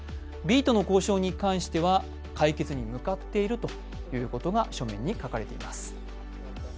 Ｂとの交渉に関しては解決に向かっているということが書面に書かれています。